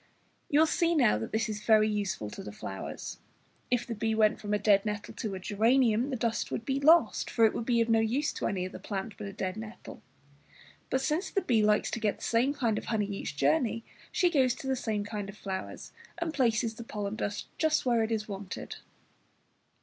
You see now that this is very useful to the flowers. If the bee went from a dead nettle to a geranium, the dust would be lost, for it would be of no use to any other plant but a dead nettle. But since the bee likes to get the same kind of honey each journey, she goes to the same kind of flowers, and places the pollen dust just where it is wanted.